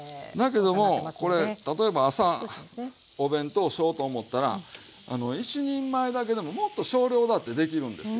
例えば朝お弁当しようと思ったら１人前だけでももっと少量だってできるんですよ。